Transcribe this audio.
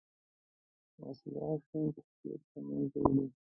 وسله شین طبیعت له منځه وړي